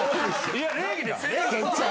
いや礼儀です。